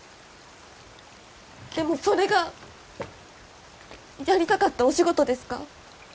でもそれがやりたかったお仕事ですか？